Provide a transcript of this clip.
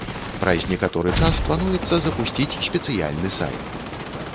Праз некаторы час плануецца запусціць спецыяльны сайт.